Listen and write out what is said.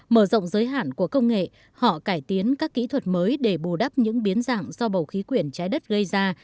mở rộng giới hạn của công nghệ họ cải tiến các kỹ thuật mới để bù đắp những biến dạng do bầu khí quyển trái đất gây ra